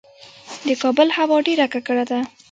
د کابل هوا ډیره ککړه ده